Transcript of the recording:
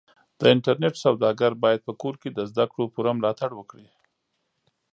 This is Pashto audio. د انټرنېټ سوداګر بايد په کور کې د زدهکړو پوره ملاتړ وکړي.